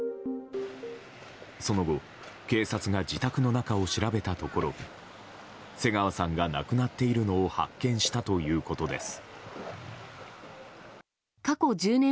その後、警察が自宅の中を調べたところ瀬川さんが亡くなっているのを発見したということです。